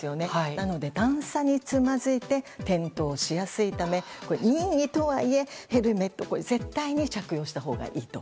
なので、段差につまずいて転倒しやすいため任意とはいえ、ヘルメットは絶対に着用したほうがいいと。